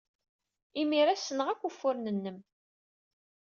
Imir-a, ssneɣ akk ufuren-nnem!